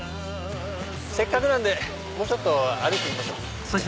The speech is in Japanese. せっかくなんでもうちょっと歩いてみましょう。